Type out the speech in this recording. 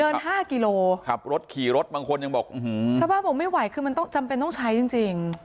ห้ากิโลขับรถขี่รถบางคนยังบอกชาวบ้านบอกไม่ไหวคือมันต้องจำเป็นต้องใช้จริงจริง